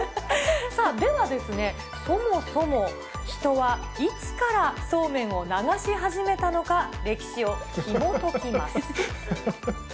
では、そもそも人はいつからそうめんを流し始めたのか、歴史をひもときます。